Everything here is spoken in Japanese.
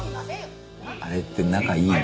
あれって仲いいの？